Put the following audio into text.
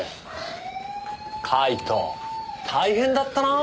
カイト大変だったなぁ！